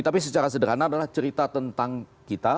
tapi secara sederhana adalah cerita tentang kita